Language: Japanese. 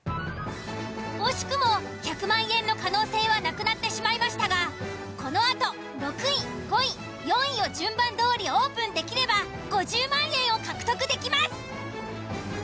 惜しくも１００万円の可能性はなくなってしまいましたがこのあと６位５位４位を順番どおりオープンできれば５０万円を獲得できます。